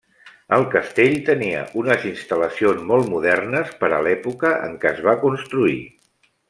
El castell tenia unes instal·lacions molt modernes per a l'època en què es va construir.